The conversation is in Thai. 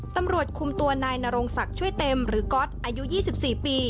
ตำรวจคุมตัวนายนรงศักดิ์ช่วยเต็มหรือก๊อตอายุ๒๔ปี